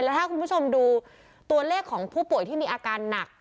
ถ้าคุณผู้ชมดูตัวเลขของผู้ป่วยที่มีอาการหนัก